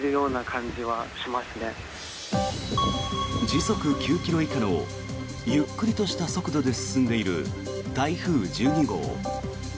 時速９ｋｍ以下のゆっくりとした速度で進んでいる台風１２号。